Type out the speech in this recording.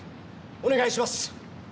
お願いします！